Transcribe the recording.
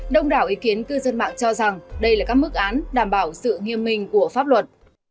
đông đảo ý kiến cư dân mạng cho rằng đây là các mức án đảm bảo sự nghiêm minh của pháp luật